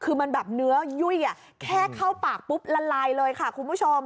คือมันแบบเนื้อยุ่ยแค่เข้าปากปุ๊บละลายเลยค่ะคุณผู้ชม